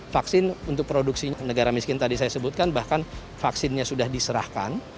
vaksin untuk produksi negara miskin tadi saya sebutkan bahkan vaksinnya sudah diserahkan